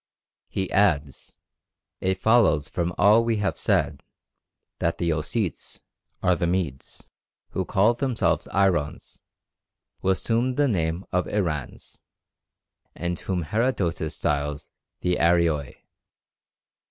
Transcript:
He adds: "It follows from all we have said, that the Ossetes, who call themselves Irons, are the Medes, who assumed the name of Irans, and whom Herodotus styles the Arioi.